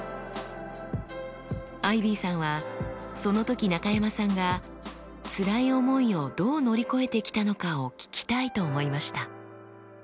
アイビーさんはその時中山さんが辛い思いをどう乗り越えてきたのかを聞きたいと思いました。